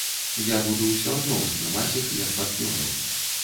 Я буду ўсё адно ўспрымаць іх як партнёраў.